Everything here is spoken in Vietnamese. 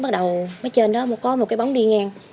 bắt đầu mấy trên đó có một cái bóng đi ngang